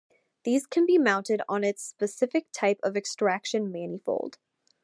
These can be mounted on its specific type of extraction manifold.